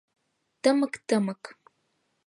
Тымык-тымык.